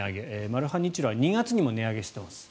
マルハニチロは２月にも値上げしています。